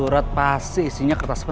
untuk ikan membaginya dan putusannya